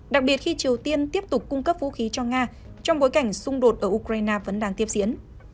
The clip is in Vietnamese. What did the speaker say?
đặc biệt khi triều tiên tiếp tục cung cấp vũ khí cho nga trong bối cảnh xung đột ở ukraine vẫn đang tiếp diễn